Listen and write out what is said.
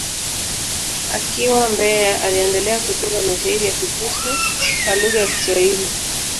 Akiwa Mbeya, aliendelea kutunga mashairi ya Kikristo kwa lugha ya Kiswahili.